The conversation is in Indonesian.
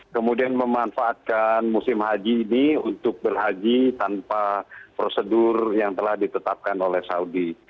kemudian memanfaatkan musim haji ini untuk berhaji tanpa prosedur yang telah ditetapkan oleh saudi